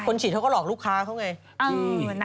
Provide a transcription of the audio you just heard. ฉีดเขาก็หลอกลูกค้าเขาไง